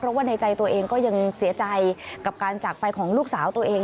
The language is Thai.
เพราะว่าในใจตัวเองก็ยังเสียใจกับการจากไปของลูกสาวตัวเอง